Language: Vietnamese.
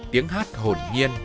tiếng hát hồn nhiên